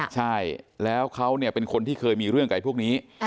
ใช่แล้วเขาเป็นคนที่เคยมีเรื่องกับพวกนี้